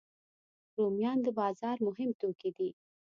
رومیان د بازار مهم توکي دي